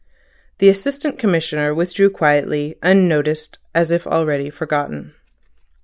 The Assistant Commissioner withdrew quietly, unnoticed, as if already forgotten.